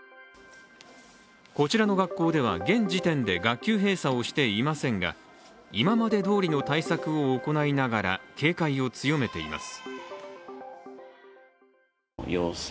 こちらの学校では、現時点で学級閉鎖をしていませんが今までどおりの対策を行いながら警戒を強めています。